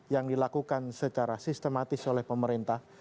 yang dilakukan secara sistematis oleh pemerintah